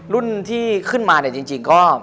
รุ่นที่ขึ้นมาจริงก็